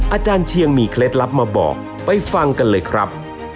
อาจารย์เชียงมีเคล็ดลับมาบอกไปฟังกันเลยครับ